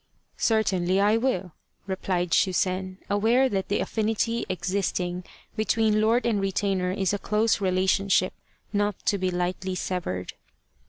" Certainly I will," replied Shusen, aware that the affinity existing between lord and retainer is a close relationship not to be lightly severed.